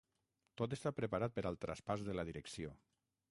Tot està preparat per al traspàs de la direcció.